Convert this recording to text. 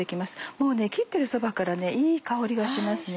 もう切ってるそばからいい香りがしますね。